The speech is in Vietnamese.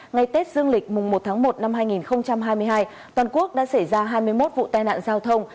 ngày tết dương lịch mùng một tháng một năm hai nghìn hai mươi hai toàn quốc đã xảy ra hai mươi một vụ tai nạn giao thông